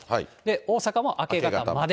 大阪も明け方まで。